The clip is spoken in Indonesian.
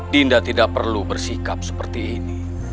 dinda tidak perlu bersikap seperti ini